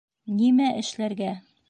Нимә эшләргә?